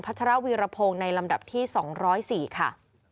ชรวีรพงศ์ในลำดับที่๒๐๔ค่ะ